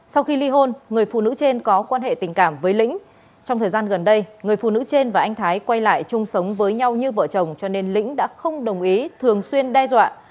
sau khi ly hôn người phụ nữ trên có quan hệ tình cảm với lĩnh trong thời gian gần đây người phụ nữ trên và anh thái quay lại chung sống với nhau như vợ chồng cho nên lĩnh đã không đồng ý thường xuyên đe dọa